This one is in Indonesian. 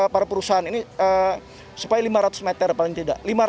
para perusahaan ini supaya lima ratus meter paling tidak